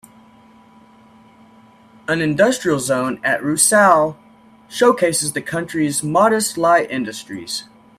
An industrial zone at Rusayl showcases the country's modest light industries.